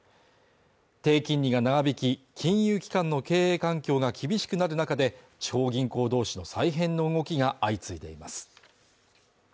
低金利が長引き金融機関の経営環境が厳しくなる中で地方銀行同士の再編の動きが相次いでいます